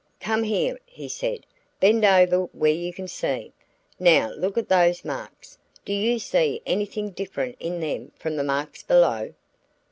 "Come here," he said. "Bend over where you can see. Now look at those marks. Do you see anything different in them from the marks below?"